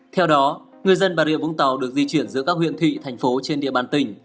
theo đó người dân bà rịa vũng tàu được di chuyển giữa các huyện thị thành phố trên địa bàn tỉnh